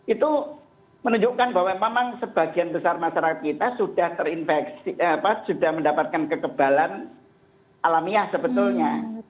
itu menunjukkan bahwa memang sebagian besar masyarakat kita sudah terinfeksi sudah mendapatkan kekebalan alamiah sebetulnya